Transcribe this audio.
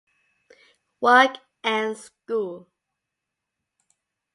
Work & School